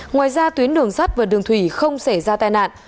ngoài ra tuyến đường sắt và đường thủy không xảy ra tai nạn